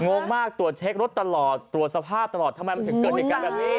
งงมากตรวจเช็ครถตลอดตรวจสภาพตลอดทำไมมันถึงเกิดเหตุการณ์แบบนี้